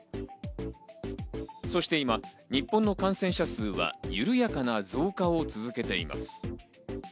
そして今、日本の感染者数は緩やかな増加を続けています。